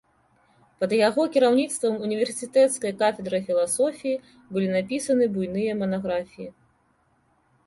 Пад яго кіраўніцтвам універсітэцкай кафедрай філасофіі былі напісаны буйныя манаграфіі.